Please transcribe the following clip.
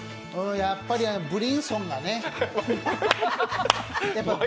やっぱりブリンソンがね。